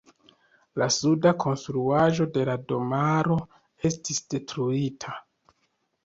La suda konstruaĵo de la domaro estis detruita.